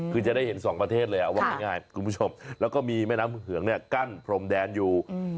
คือจะได้เห็นสองประเทศเลยเอาว่าง่ายคุณผู้ชมแล้วก็มีแม่น้ำเหืองกั้นพรมแดนอยู่